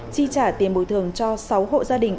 chi trả tiền bồi thường cho sáu hộ gia đình